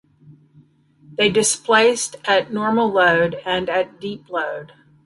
They displaced at normal load and at deep load.